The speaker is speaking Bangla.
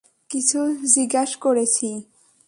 কিছু জিগাস করেছি?